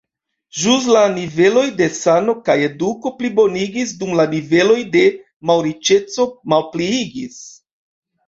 Ĵus la niveloj de sano kaj eduko plibonigis, dum la niveloj de malriĉeco malpliigis.